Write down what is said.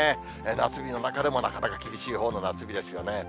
夏日の中でもなかなか厳しいほうの夏日ですよね。